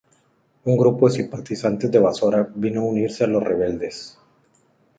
Un grupo de simpatizantes de Basora vino a unirse a los rebeldes.